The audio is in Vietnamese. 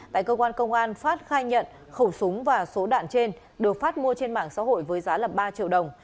tại cơ quan công an phát khai nhận khẩu súng và số đạn trên được phát mua trên mạng xã hội với giá ba triệu đồng